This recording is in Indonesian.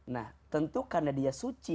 nah tentu karena dia suci